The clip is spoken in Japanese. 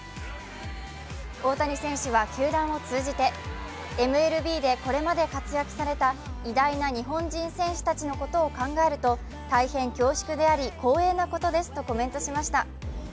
大谷選手は球団を通じてＭＬＢでこれまで活躍された偉大な日本人選手たちのことを考えると大変恐縮であり光栄なことですとコメントしました。